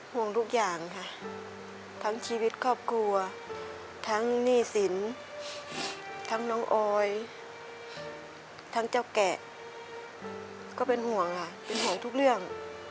ห่วงทุกอย่างค่ะทั้งชีวิตครอบครัวทั้งหนี้สินทั้งน้องออยทั้งเจ้าแกะก็เป็นห่วงค่ะเป็นห่วงทุกเรื่อง